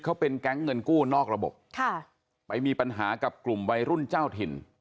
เขาเป็นแก๊งเงินกู้นอกระบบค่ะไปมีปัญหากับกลุ่มวัยรุ่นเจ้าถิ่น